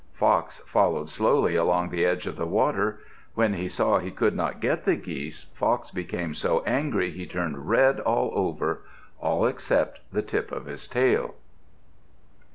Fox followed slowly along the edge of the water. When he saw he could not get the geese, Fox became so angry he turned red all over all except the tip of his tail.